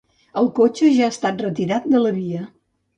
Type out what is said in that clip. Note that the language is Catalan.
El cotxe ja ha estat retirat de la via.